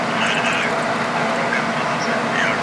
- الله وويل: "زه په هغه څه پوهېږم چي تاسي پرې نه پوهېږئ!"...